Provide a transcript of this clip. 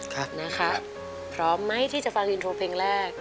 ค่ะนะคะพร้อมไหมที่จะฟังอินโทรเพลงแรก